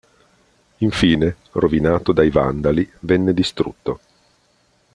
Infine, rovinato dai vandali, venne distrutto.